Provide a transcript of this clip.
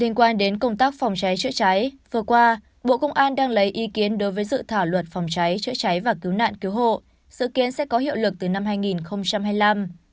liên quan đến công tác phòng cháy chữa cháy vừa qua bộ công an đang lấy ý kiến đối với dự thảo luật phòng cháy chữa cháy và cứu nạn cứu hộ dự kiến sẽ có hiệu lực từ năm hai nghìn hai mươi năm